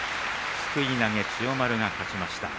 すくい投げで千代丸が勝ちました。